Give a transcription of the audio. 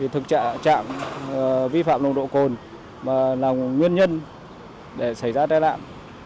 thực trạng vi phạm lồng độ cồn là nguyên nhân để xảy ra tai nạn